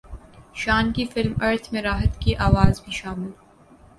شان کی film Earth میں راحت کی اواز بھی شامل